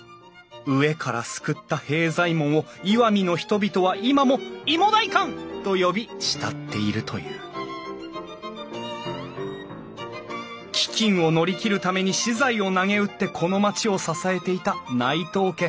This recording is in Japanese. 飢えから救った平左衛門を石見の人々は今もいも代官と呼び慕っているという飢饉を乗り切るために私財をなげうってこの町を支えていた内藤家。